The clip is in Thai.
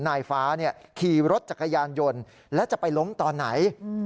นายฟ้าขี่รถจักรยานยนต์แล้วจะไปล้มตอนไหน